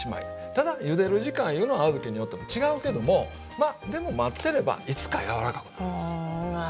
ただゆでる時間いうのは小豆によっても違うけどもでも待ってればいつか柔らかくなるんですよね。